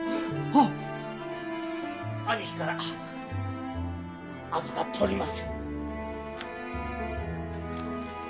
あっ兄貴から預かっております。